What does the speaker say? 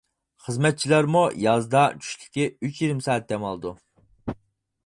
خىزمەتچىلەرمۇ يازدا چۈشلۈكى ئۈچ يېرىم سائەت دەم ئالىدۇ.